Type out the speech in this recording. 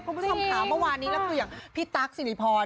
พวกผู้ชมขาวเมื่อวานี้และทุกอย่างพี่ต๊ักษ์ศิริพรภรรณ์